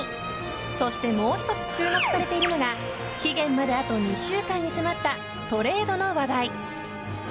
そしてもう１つ注目されているのが期限まであと２週間に迫ったトレードの話題。